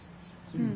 うん。